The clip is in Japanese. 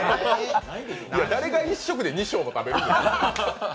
誰が１食で２升も食べるんですか。